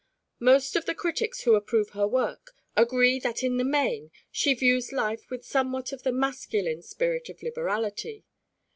Most of the critics who approve her work agree that in the main she views life with somewhat of the masculine spirit of liberality.